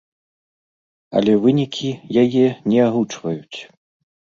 Але вынікі яе не агучваюць.